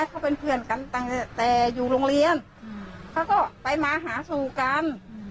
เขาเป็นเพื่อนกันตั้งแต่อยู่โรงเรียนเขาก็ไปมาหาสู่กัน